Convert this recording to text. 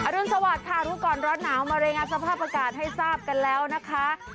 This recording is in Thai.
รุนสวัสดิ์ค่ะรู้ก่อนร้อนหนาวมารายงานสภาพอากาศให้ทราบกันแล้วนะคะ